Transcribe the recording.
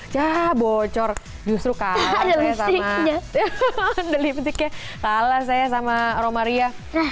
ya bocor justru kalah sama romaria